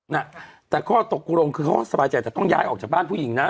เนี่ยแต่พ่อตกกูรงคือโอ้สบายใจแต่ต้องย้ายออกจากบ้านพวกผู้หญิงนะ